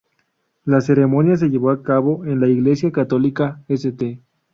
La ceremonia se llevó a cabo en la iglesia católica St.